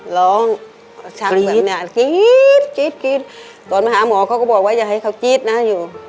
ร้องชักแบบเนี้ยตอนมาหาหมอเขาก็บอกว่าอย่าให้เขาจี๊ดนะอยู่